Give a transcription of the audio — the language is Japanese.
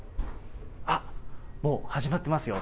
あっ、もう始まってますよ。